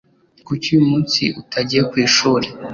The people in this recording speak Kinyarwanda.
Kuki uyu munsi utagiye ku ishuri?